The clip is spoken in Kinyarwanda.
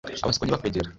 abaswa ntibakwegera